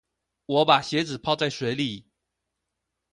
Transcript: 我把鞋子泡在水裡